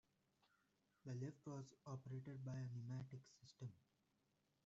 The lift was operated by a pneumatic system.